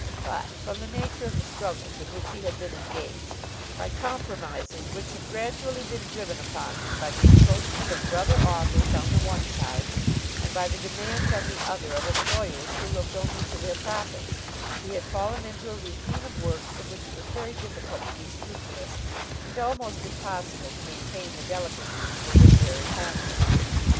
But, from the nature of the struggles in which he had been engaged, by compromises which had gradually been driven upon him by the encroachment of brother authors on the one side and by the demands on the other of employers who looked only to their profits, he had fallen into a routine of work in which it was very difficult to be scrupulous, and almost impossible to maintain the delicacies of a literary conscience.